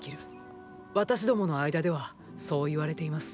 私どもの間ではそう言われています。